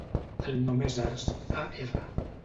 El nom és Arç: a, erra.